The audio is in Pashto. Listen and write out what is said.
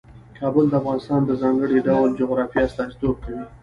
کابل د افغانستان د ځانګړي ډول جغرافیه استازیتوب کوي.